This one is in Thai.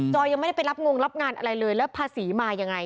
อยยังไม่ได้ไปรับงงรับงานอะไรเลยแล้วภาษีมายังไง